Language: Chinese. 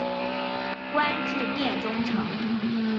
官至殿中丞。